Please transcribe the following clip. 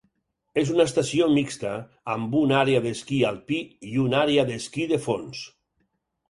És una estació mixta amb una àrea d'esquí alpí i una àrea d'esquí de fons.